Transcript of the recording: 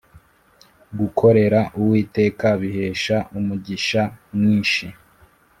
Gukorera uwiteka bihesha umugisha mwinshi